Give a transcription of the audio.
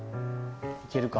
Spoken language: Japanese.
行けるか？